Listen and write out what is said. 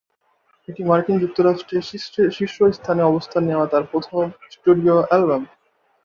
এটি মার্কিন যুক্তরাষ্ট্রে শীর্ষ স্থানে অবস্থান নেয়া তার প্রথম স্টুডিও অ্যালবাম।